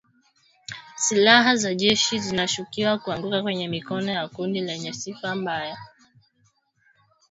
Silaha za jeshi zinashukiwa kuangukia kwenye mikono ya kundi lenye sifa mbaya